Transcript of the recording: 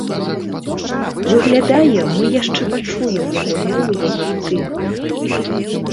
Выглядае, мы яшчэ пачуем яго новыя хіты.